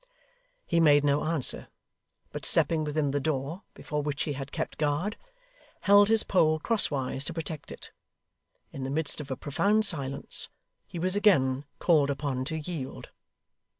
He made no answer, but stepping within the door, before which he had kept guard, held his pole crosswise to protect it. In the midst of a profound silence, he was again called upon to yield.